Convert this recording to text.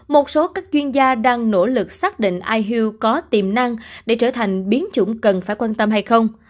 một số các chuyên gia đang nỗ lực xác định iuu có tiềm năng để trở thành biến chủng cần phải quan tâm hay không